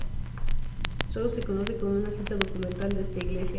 Sólo se conoce una cita documental de esta iglesia.